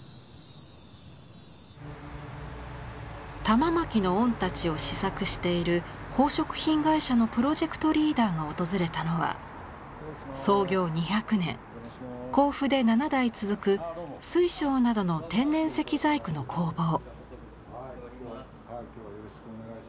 玉纏御太刀を試作している宝飾品会社のプロジェクトリーダーが訪れたのは創業２００年甲府で７代続く水晶などの天然石細工の工房。